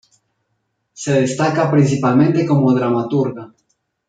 Se destaca principalmente como dramaturga.